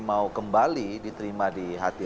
mau kembali diterima di hati